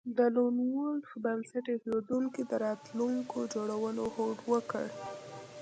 د لون وولف بنسټ ایښودونکو د راتلونکي جوړولو هوډ وکړ